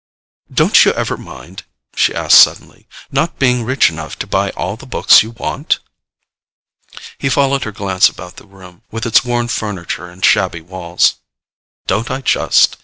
"Don't you ever mind," she asked suddenly, "not being rich enough to buy all the books you want?" He followed her glance about the room, with its worn furniture and shabby walls. "Don't I just?